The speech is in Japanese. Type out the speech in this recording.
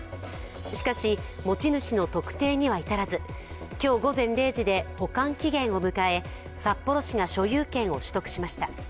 しかし、持ち主の特定には至らず、今日午前０時で保管期限を迎え札幌市が所有権を取得しました。